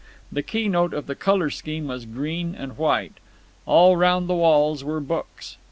The key note of the colour scheme was green and white. All round the walls were books.